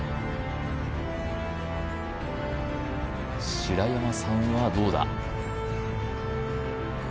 白山さんはどうだ？